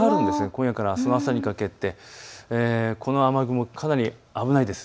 今夜からあすの朝にかけて、この雨雲、かなり危ないです。